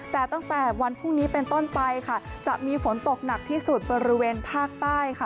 แต่ตั้งแต่วันพรุ่งนี้เป็นต้นไปค่ะจะมีฝนตกหนักที่สุดบริเวณภาคใต้ค่ะ